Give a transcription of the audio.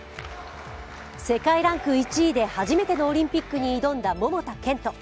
世界ランク１位で初めてのオリンピックに挑んだ桃田賢斗。